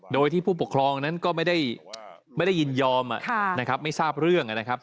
โดยที่ผู้ปกครองนั้นก็ไม่ได้ยินยอมนะครับไม่ทราบเรื่องนะครับ